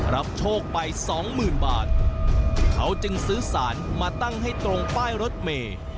รับโชคไปสองหมื่นบาทเขาจึงซื้อสารมาตั้งให้ตรงป้ายรถเมย์